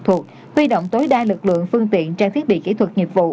tuy động tối đa lực lượng phương tiện trang thiết bị kỹ thuật nhiệm vụ